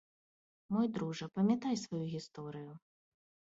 Мой дружа, памятай сваю гісторыю.